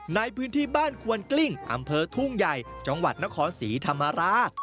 ในพื้นที่บ้านควนกลิ้งอำเภอทุ่งใหญ่จังหวัดนครศรีธรรมราช